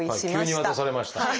急に渡されました。